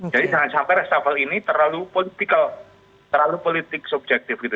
jadi jangan sampai resapel ini terlalu politikal terlalu politik subjektif gitu